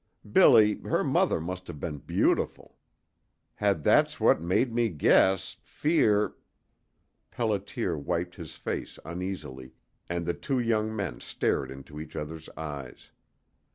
Billy, her mother must have been beautiful. And that's what made me guess fear " Pelliter wiped his face uneasily, and the two young men stared into each other's eyes.